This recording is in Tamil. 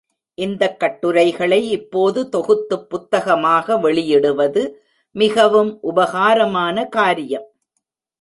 இந்தக் கட்டுரைகளை இப்போது தொகுத்துப் புத்தகமாக வெளியிடுவது மிகவும் உபகாரமான காரியம்.